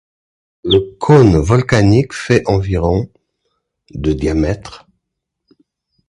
Le cône volcanique fait environ de diamètre.